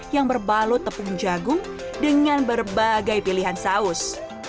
yang berbalut tepung jagung dengan berbagai pilihan saus